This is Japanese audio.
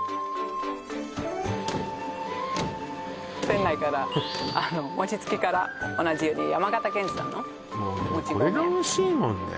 店内から餅つきから同じように山形県産のもち米もうね